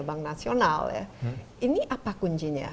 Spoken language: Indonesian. bank nasional ya ini apa kuncinya